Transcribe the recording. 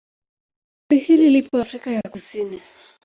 Kundi hili lipo Afrika ya Kusini.